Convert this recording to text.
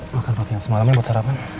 makan waktu yang semalamnya buat sarapan